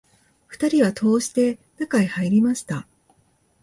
二人は戸を押して、中へ入りました